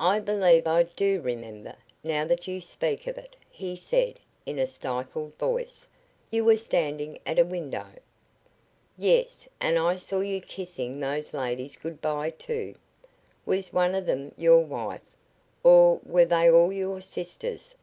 "I believe I do remember, now that you speak of it," he said, in a stifled voice. "You were standing at a window?" "Yes; and I saw you kissing those ladies goodby, too. Was one of them your wife, or were they all your sisters?